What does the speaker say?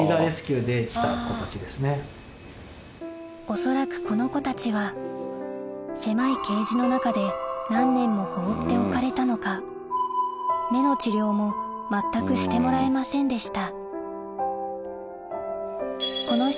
恐らくこの子たちは放っておかれたのか目の治療も全くしてもらえませんでした